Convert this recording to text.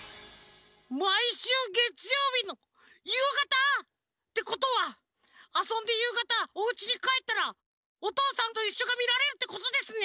まいしゅうげつようびのゆうがた！ってことはあそんでゆうがたおうちにかえったら「おとうさんといっしょ」がみられるってことですね！